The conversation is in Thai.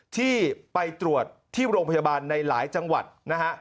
ที่ไปตรวจที่โรงพยาบาลในหลายจังหวัดนะฮะ